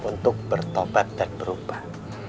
untuk bertobat dan berubah